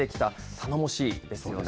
頼もしいですよね。